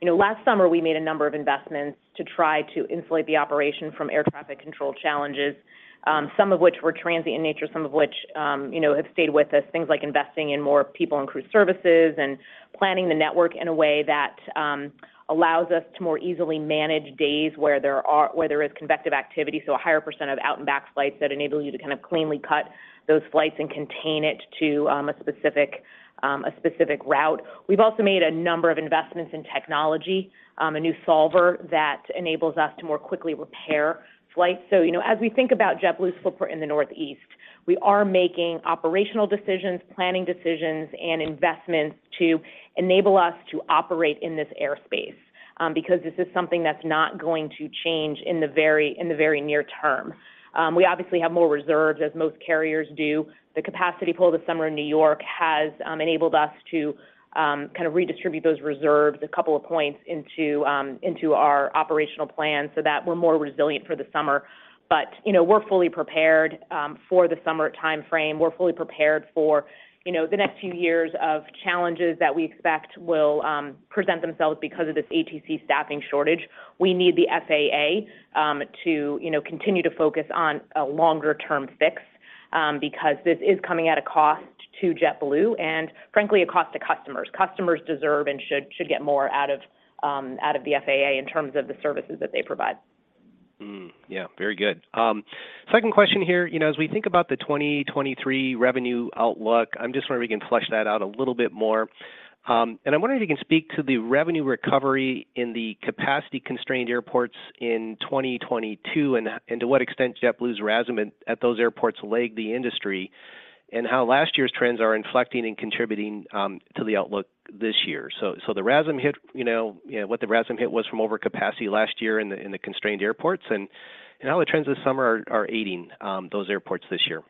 You know, last summer, we made a number of investments to try to insulate the operation from air traffic control challenges, some of which were transient in nature, some of which, you know, have stayed with us, things like investing in more people and crew services and planning the network in a way that allows us to more easily manage days where there is convective activity, so a higher % of out and back flights that enable you to kind of cleanly cut those flights and contain it to, a specific, a specific route. We've also made a number of investments in technology, a new solver that enables us to more quickly repair flights. You know, as we think about JetBlue's footprint in the Northeast... We are making operational decisions, planning decisions, and investments to enable us to operate in this airspace, because this is something that's not going to change in the very near term. We obviously have more reserves, as most carriers do. The capacity pool this summer in New York has enabled us to kind of redistribute those reserves a couple of points into our operational plan so that we're more resilient for the summer. You know, we're fully prepared for the summer timeframe. We're fully prepared for, you know, the next few years of challenges that we expect will present themselves because of this ATC staffing shortage. We need the FAA to, you know, continue to focus on a longer term fix, because this is coming at a cost to JetBlue and frankly, a cost to customers. Customers deserve and should get more out of the FAA in terms of the services that they provide. Yeah. Very good. Second question here. You know, as we think about the 2023 revenue outlook, I'm just wondering if we can flesh that out a little bit more. I'm wondering if you can speak to the revenue recovery in the capacity-constrained airports in 2022 and to what extent JetBlue's RASM at those airports lagged the industry, and how last year's trends are inflecting and contributing to the outlook this year. The RASM hit, you know, what the RASM hit was from overcapacity last year in the constrained airports, and how the trends this summer are aiding those airports this year.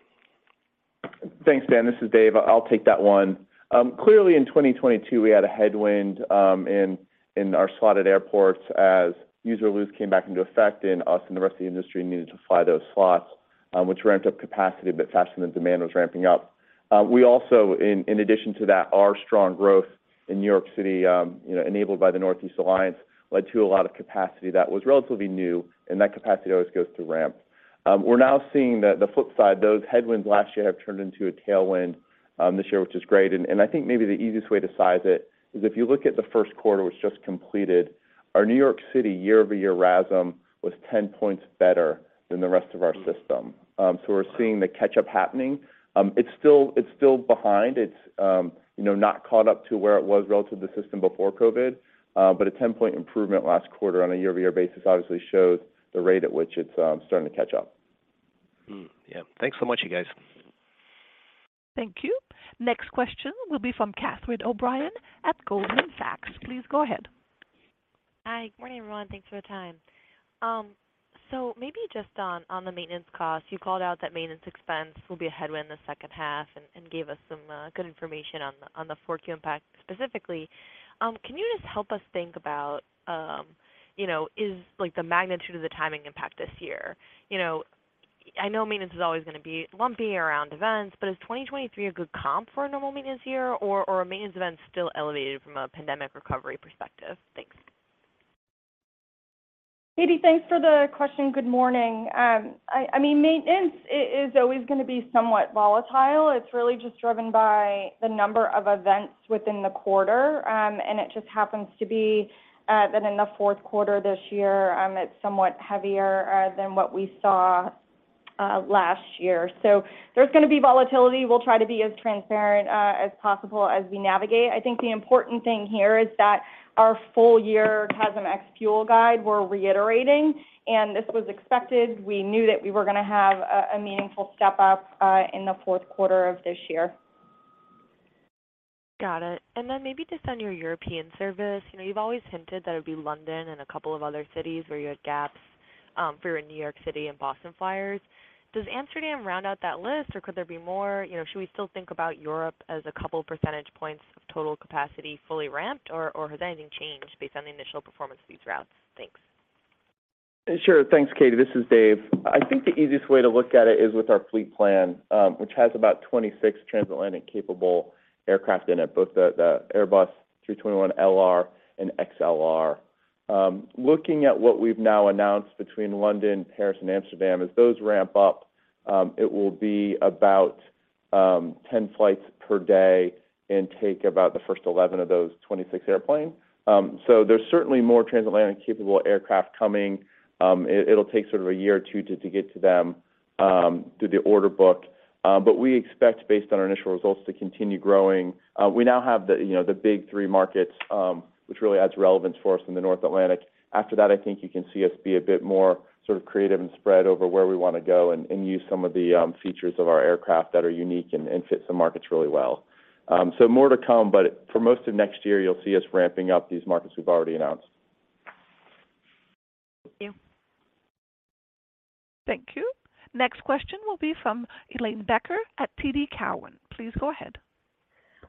Thanks, Dan. This is Dave. I'll take that one. Clearly in 2022, we had a headwind in our slotted airports as use or lose came back into effect, and us and the rest of the industry needed to fly those slots, which ramped up capacity a bit faster than demand was ramping up. We also in addition to that, our strong growth in New York City, you know, enabled by the Northeast Alliance, led to a lot of capacity that was relatively new, and that capacity always goes through ramp. We're now seeing the flip side. Those headwinds last year have turned into a tailwind this year, which is great. I think maybe the easiest way to size it is if you look at the first quarter, which just completed, our New York City year-over-year RASM was 10 points better than the rest of our system. We're seeing the catch-up happening. It's still behind. It's, you know, not caught up to where it was relative to the system before COVID. A 10-point improvement last quarter on a year-over-year basis obviously shows the rate at which it's starting to catch up. Yeah. Thanks so much, you guys. Thank you. Next question will be from Catherine O'Brien at Goldman Sachs. Please go ahead. Hi. Good morning, everyone. Thanks for the time. Maybe just on the maintenance costs, you called out that maintenance expense will be a headwind the second half and gave us some good information on the 4Q impact specifically. Can you just help us think about, you know, is like the magnitude of the timing impact this year? You know, I know maintenance is always gonna be lumpy around events, but is 2023 a good comp for a normal maintenance year or are maintenance events still elevated from a pandemic recovery perspective? Thanks. Katie, thanks for the question. Good morning. I mean, maintenance is always gonna be somewhat volatile. It's really just driven by the number of events within the quarter, and it just happens to be that in the fourth quarter this year, it's somewhat heavier than what we saw last year. There's gonna be volatility. We'll try to be as transparent as possible as we navigate. I think the important thing here is that our full year CASM ex-fuel guide we're reiterating, and this was expected. We knew that we were gonna have a meaningful step up in the fourth quarter of this year. Got it. Then maybe just on your European service, you know, you've always hinted that it would be London and a couple of other cities where you had gaps for your New York City and Boston flyers. Does Amsterdam round out that list, or could there be more? You know, should we still think about Europe as a couple percentage points of total capacity fully ramped, or has anything changed based on the initial performance of these routes? Thanks. Sure. Thanks, Katie. This is Dave. I think the easiest way to look at it is with our fleet plan, which has about 26 transatlantic-capable aircraft in it, both the Airbus A321LR and A321XLR. Looking at what we've now announced between London, Paris, and Amsterdam, as those ramp up, it will be about 10 flights per day and take about the first 11 of those 26 airplanes. There's certainly more transatlantic-capable aircraft coming. It, it'll take sort of a year or 2 to get to them, through the order book. We expect based on our initial results to continue growing. We now have the, you know, the big 3 markets, which really adds relevance for us in the North Atlantic. After that, I think you can see us be a bit more sort of creative and spread over where we wanna go and use some of the features of our aircraft that are unique and fit some markets really well. More to come, for most of next year, you'll see us ramping up these markets we've already announced. Thank you. Thank you. Next question will be from Helane Becker at TD Cowen. Please go ahead.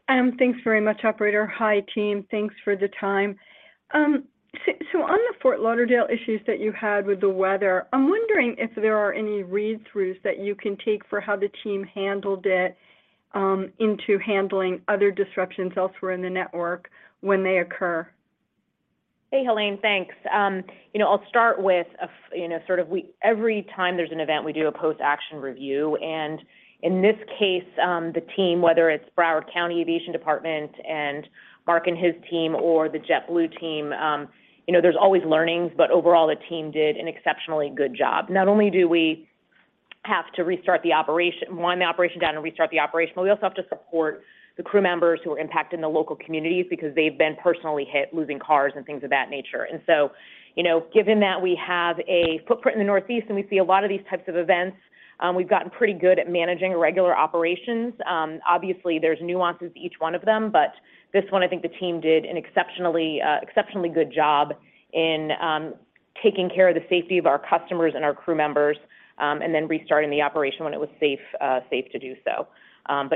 Thanks very much, operator. Hi, team. Thanks for the time. On the Fort Lauderdale issues that you had with the weather, I'm wondering if there are any read-throughs that you can take for how the team handled it, into handling other disruptions elsewhere in the network when they occur. Hey, Helane. Thanks. You know, I'll start with a, you know, sort of every time there's an event, we do a post-action review, and in this case, the team, whether it's Broward County Aviation Department and Mark and his team or the JetBlue team, you know, there's always learnings, but overall, the team did an exceptionally good job. Not only do we Have to restart the operation, wind the operation down and restart the operation. We also have to support the crew members who are impacted in the local communities because they've been personally hit, losing cars and things of that nature. You know, given that we have a footprint in the Northeast, and we see a lot of these types of events, we've gotten pretty good at managing regular operations. Obviously there's nuances to each one of them, but this one I think the team did an exceptionally good job in taking care of the safety of our customers and our crew members, and then restarting the operation when it was safe to do so.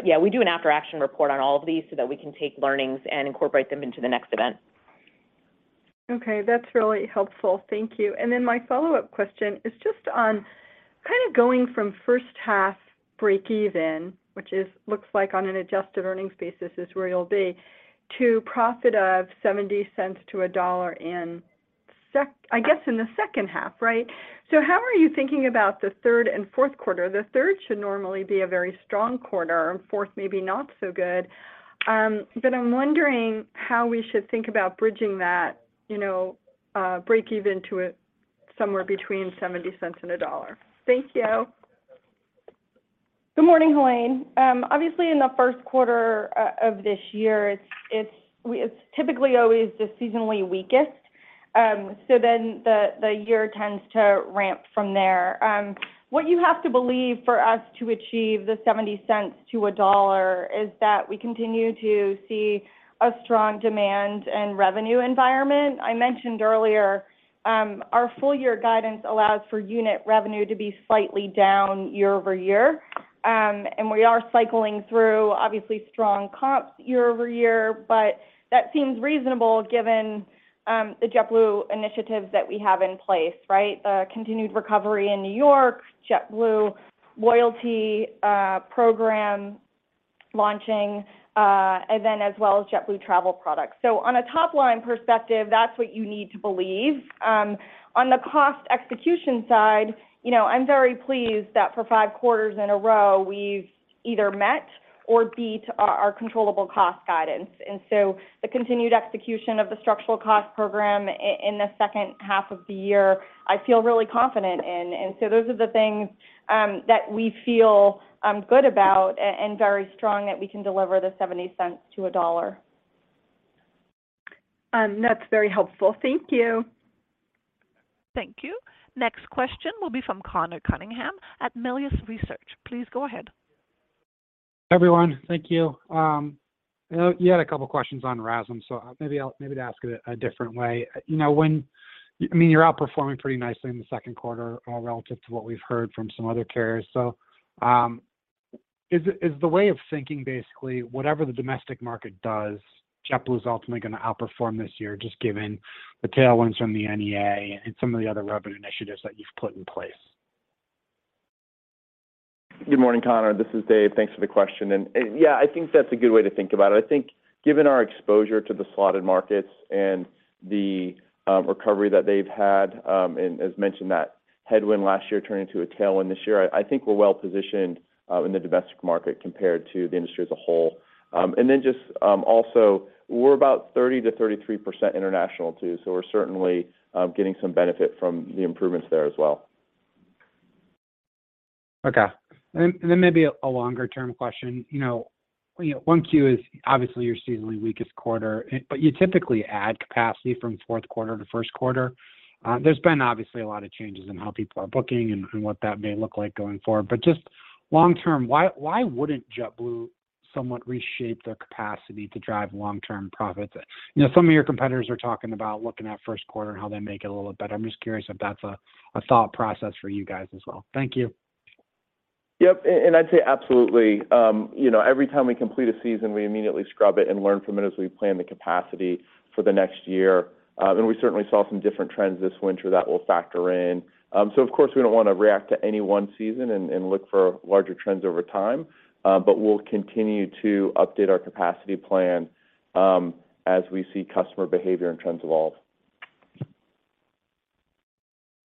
Yeah, we do an after-action report on all of these so that we can take learnings and incorporate them into the next event. Okay, that's really helpful. Thank you. My follow-up question is just on kind of going from first half breakeven, which is looks like on an adjusted earnings basis is where you'll be, to profit of $0.70-$1 in I guess in the second half, right? How are you thinking about the third and fourth quarter? The third should normally be a very strong quarter, and fourth maybe not so good. I'm wondering how we should think about bridging that, you know, breakeven to somewhere between $0.70 and $1. Thank you. Good morning, Helane. Obviously, in the 1st quarter of this year, it's typically always the seasonally weakest, the year tends to ramp from there. What you have to believe for us to achieve the $0.70 to $1 is that we continue to see a strong demand and revenue environment. I mentioned earlier, our full year guidance allows for unit revenue to be slightly down year-over-year. We are cycling through obviously strong comps year-over-year, but that seems reasonable given the JetBlue initiatives that we have in place, right? The continued recovery in New York, JetBlue loyalty program launching, as well as JetBlue Travel Products. On a top-line perspective, that's what you need to believe. On the cost execution side, you know, I'm very pleased that for five quarters in a row, we've either met or beat our controllable cost guidance. The continued execution of the structural cost program in the second half of the year, I feel really confident in. Those are the things that we feel good about and very strong that we can deliver the $0.70-$1.00. That's very helpful. Thank you. Thank you. Next question will be from Conor Cunningham at Melius Research. Please go ahead. Everyone. Thank you. You had a couple questions on RASM, maybe to ask it a different way. You know, I mean, you're outperforming pretty nicely in the second quarter, relative to what we've heard from some other carriers. Is the way of thinking basically whatever the domestic market does, JetBlue's ultimately gonna outperform this year, just given the tailwinds from the NEA and some of the other revenue initiatives that you've put in place? Good morning, Conor. This is Dave. Thanks for the question. Yeah, I think that's a good way to think about it. I think given our exposure to the slotted markets and the recovery that they've had, as mentioned, that headwind last year turning into a tailwind this year, I think we're well positioned in the domestic market compared to the industry as a whole. Then just also we're about 30%-33% international too, so we're certainly getting some benefit from the improvements there as well. Okay. Then maybe a longer-term question. You know, 1Q is obviously your seasonally weakest quarter, but you typically add capacity from 4Q to 1Q. There's been obviously a lot of changes in how people are booking and what that may look like going forward. Just long term, why wouldn't JetBlue somewhat reshape their capacity to drive long-term profits? You know, some of your competitors are talking about looking at 1Q and how they make it a little bit better. I'm just curious if that's a thought process for you guys as well. Thank you. Yep. I'd say absolutely. You know, every time we complete a season, we immediately scrub it and learn from it as we plan the capacity for the next year. We certainly saw some different trends this winter that we'll factor in. Of course, we don't want to react to any one season and look for larger trends over time. We'll continue to update our capacity plan as we see customer behavior and trends evolve.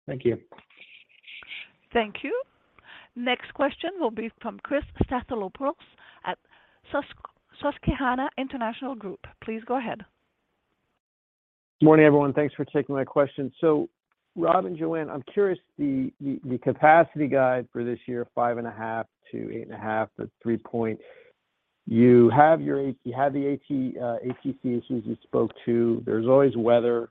Thank you. Thank you. Next question will be from Chris Stathoulopoulos at Susquehanna International Group. Please go ahead. Good morning, everyone. Thanks for taking my question. Robin Hayes and Joanna Geraghty, I'm curious, the capacity guide for this year, 5.5%-8.5%, you have the ATC issues you spoke to. There's always weather,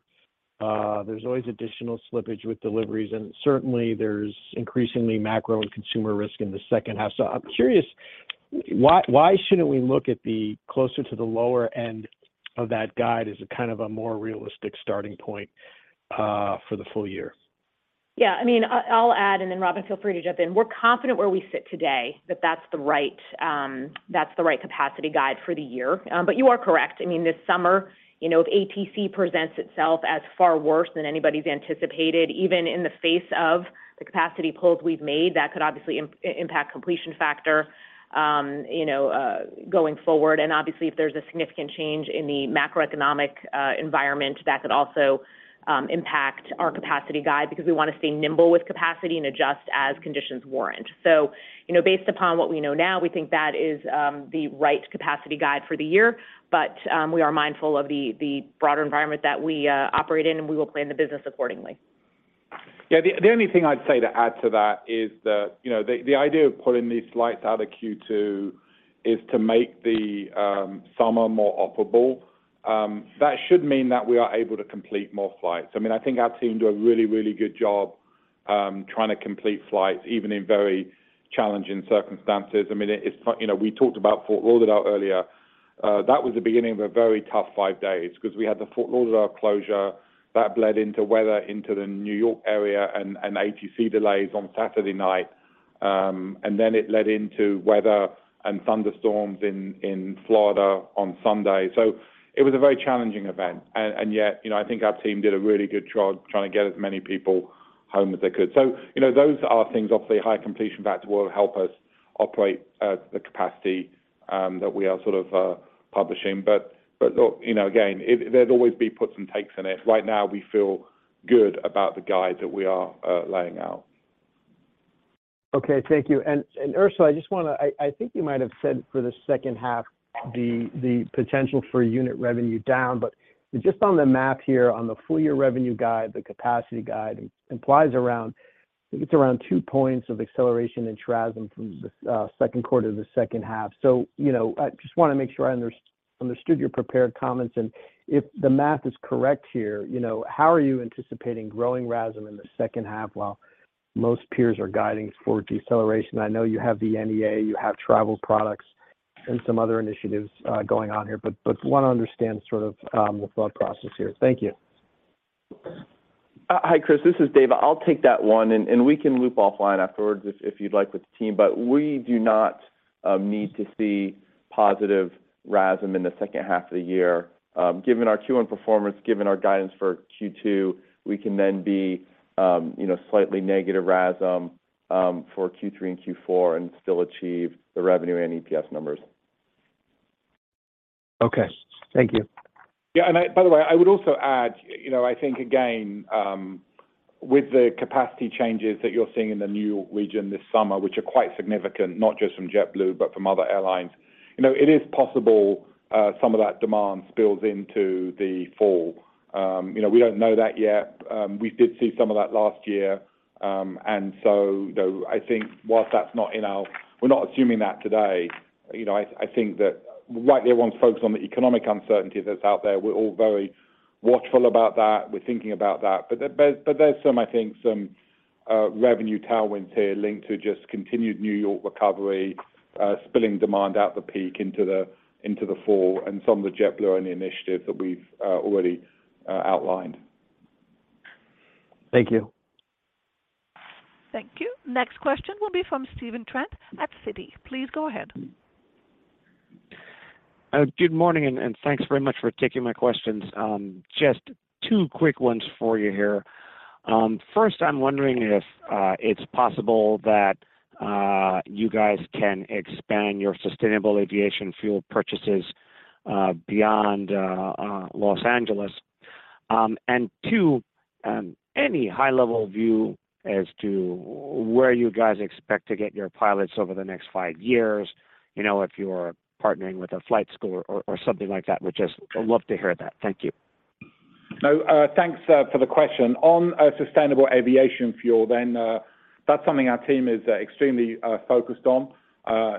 there's always additional slippage with deliveries, and certainly there's increasingly macro and consumer risk in the second half. I'm curious why shouldn't we look at the closer to the lower end of that guide as a kind of a more realistic starting point for the full year? Yeah, I mean, I'll add and then Robin, feel free to jump in. We're confident where we sit today that that's the right, that's the right capacity guide for the year. You are correct. I mean, this summer, you know, if ATC presents itself as far worse than anybody's anticipated, even in the face of the capacity pulls we've made, that could obviously impact completion factor, you know, going forward. Obviously, if there's a significant change in the macroeconomic environment, that could also impact our capacity guide because we want to stay nimble with capacity and adjust as conditions warrant. You know, based upon what we know now, we think that is, the right capacity guide for the year, but we are mindful of the broader environment that we operate in, and we will plan the business accordingly. Yeah. The, the only thing I'd say to add to that is that, you know, the idea of pulling these flights out of Q2 is to make the summer more offerable. That should mean that we are able to complete more flights. I mean, I think our team do a really, really good job, trying to complete flights, even in very challenging circumstances. I mean, you know, we talked about Fort Lauderdale earlier. That was the beginning of a very tough five days because we had the Fort Lauderdale closure that bled into weather into the New York area and ATC delays on Saturday night. It led into weather and thunderstorms in Florida on Sunday. It was a very challenging event. Yet, you know, I think our team did a really good job trying to get as many people home as they could. You know, those are things. Obviously, high completion rates will help us operate the capacity that we are sort of publishing. Look, you know, again, there'd always be puts and takes in it. Right now we feel good about the guide that we are laying out. Okay, thank you. Ursula, I think you might have said for the second half the potential for unit revenue down. Just on the math here on the full year revenue guide, the capacity guide implies around, I think it's around 2 points of acceleration in TRASM from the second quarter to the second half. You know, I just wanna make sure I understood your prepared comments. If the math is correct here, you know, how are you anticipating growing RASM in the second half while most peers are guiding for deceleration? I know you have the NEA, you have travel products and some other initiatives going on here, wanna understand sort of the thought process here. Thank you. Hi, Chris, this is Dave. I'll take that one, and we can loop offline afterwards if you'd like, with the team. We do not need to see positive RASM in the second half of the year. Given our Q1 performance, given our guidance for Q2, we can then be, you know, slightly negative RASM for Q3 and Q4 and still achieve the revenue and EPS numbers. Okay. Thank you. Yeah. By the way, I would also add, you know, I think again, with the capacity changes that you're seeing in the New York region this summer, which are quite significant, not just from JetBlue, but from other airlines, you know, it is possible, some of that demand spills into the fall. You know, we don't know that yet. We did see some of that last year. Though I think whilst that's not we're not assuming that today, you know, I think that rightly it won't focus on the economic uncertainty that's out there. We're all very watchful about that. We're thinking about that. There's, but there's some, I think, some revenue tailwinds here linked to just continued New York recovery, spilling demand out the peak into the fall and some of the JetBlue and the initiatives that we've already outlined. Thank you. Thank you. Next question will be from Stephen Trent at Citi. Please go ahead. Good morning, and thanks very much for taking my questions. Just two quick ones for you here. First, I'm wondering if it's possible that you guys can expand your sustainable aviation fuel purchases beyond Los Angeles. Two, any high-level view as to where you guys expect to get your pilots over the next five years, you know, if you're partnering with a flight school or something like that, would just love to hear that. Thank you. No. Thanks for the question. On sustainable aviation fuel, that's something our team is extremely focused on.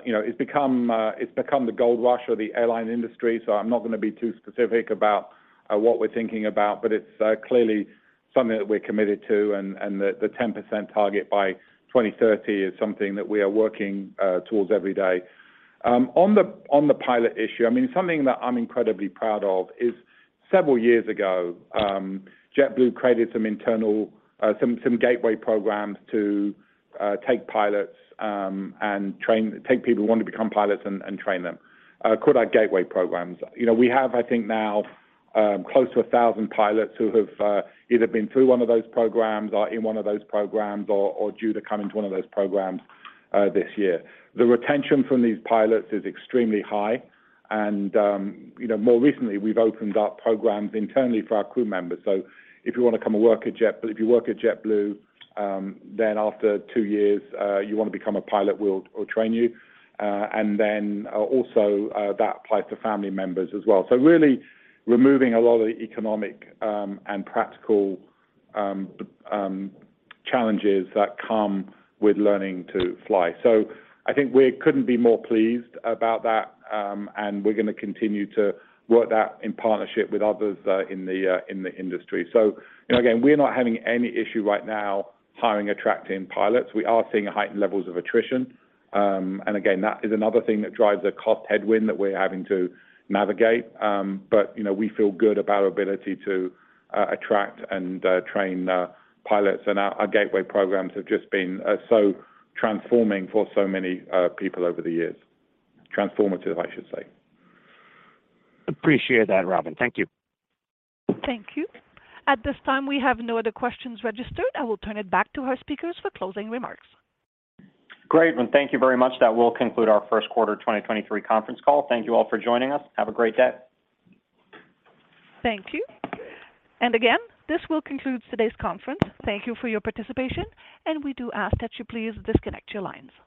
You know, it's become, it's become the gold rush of the airline industry, so I'm not gonna be too specific about what we're thinking about, but it's clearly something that we're committed to, and the 10% target by 2030 is something that we are working towards every day. On the pilot issue, I mean, something that I'm incredibly proud of is several years ago, JetBlue created some internal, some JetBlue Gateways to take pilots and take people who want to become pilots and train them. Call our JetBlue Gateways. You know, we have, I think now, close to 1,000 pilots who have either been through one of those programs or in one of those programs or due to come into one of those programs this year. The retention from these pilots is extremely high and, you know, more recently we've opened up programs internally for our crew members. If you wanna come and work at JetBlue, if you work at JetBlue, then after two years, you wanna become a pilot, we'll train you. Also, that applies to family members as well. Really removing a lot of the economic, and practical, challenges that come with learning to fly. I think we couldn't be more pleased about that, and we're gonna continue to work that in partnership with others in the industry. You know, again, we're not having any issue right now hiring or attracting pilots. We are seeing heightened levels of attrition. And again, that is another thing that drives a cost headwind that we're having to navigate. But, you know, we feel good about our ability to attract and train pilots. Our JetBlue Gateways have just been so transforming for so many people over the years. Transformative, I should say. Appreciate that, Robin. Thank you. Thank you. At this time, we have no other questions registered. I will turn it back to our speakers for closing remarks. Great, thank you very much. That will conclude our first quarter 2023 conference call. Thank you all for joining us. Have a great day. Thank you. Again, this will conclude today's conference. Thank you for your participation, and we do ask that you please disconnect your lines.